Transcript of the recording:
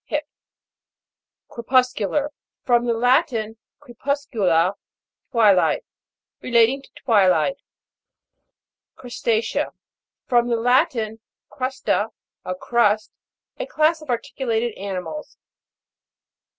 Hip. CREPUS'CULAR. From the Latin, cre puscula, twilight. Relating to twilight. CRUSTA'CEA. From the Latin, crvsta, a crust. A class of articulated animals.